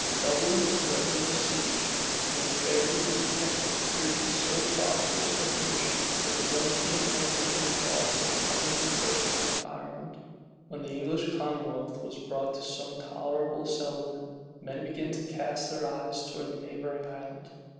Dublin was threatened with a siege; and the affairs of the lieutenant appeared in so prosperous a condition, that the young king entertained thoughts of coming in person into Ireland. When the English commonwealth was brought to some tolerable settlement, men began to cast their eyes towards the neighboring island.